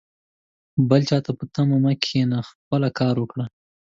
بل چاته په تمه مه کښېنه ، خپله کار وکړه